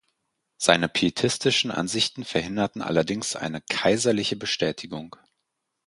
Seine pietistischen Ansichten verhinderten allerdings eine kaiserliche Bestätigung.